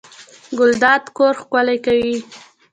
ګلدان کور ښکلی کوي